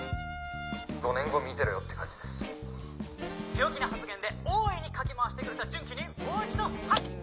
強気な発言で大いにかき回してくれた順基にもう一度。